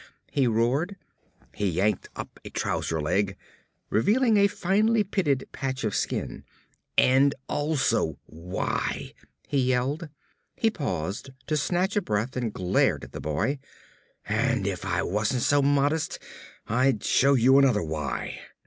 he roared. He yanked up a trouser leg, revealing a finely pitted patch of skin. "And also why!" he yelled. He paused to snatch a breath and glared at the boy. "And if I weren't so modest I'd show you another why!"